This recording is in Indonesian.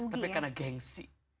tapi karena gengsi